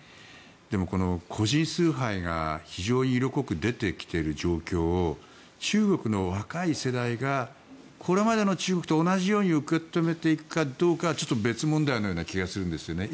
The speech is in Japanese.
でも個人崇拝が非常に色濃く出てきている状況を中国の若い世代がこれまでの中国と同じように受け止めていくかどうかは別問題な気がするんですね。